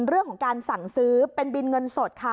เรื่องของการสั่งซื้อเป็นบินเงินสดค่ะ